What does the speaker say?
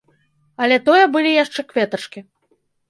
Але тое былі яшчэ кветачкі.